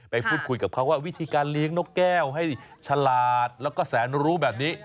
ไปพูดคุยกับเขาว่าวิธีการเลี้ยงนกแก้วให้ฉลาดแล้วก็แสนรู้แบบนี้